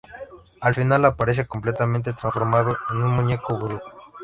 Al final, aparece completamente transformado en un muñeco vudú.